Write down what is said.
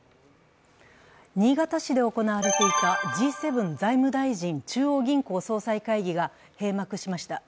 新潟市で行われていたＧ７財務大臣・中央銀行総裁会議が閉幕しました。